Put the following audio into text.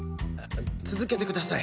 続けてください。